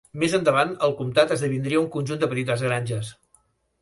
Més endavant el comtat esdevindria un conjunt de petites granges.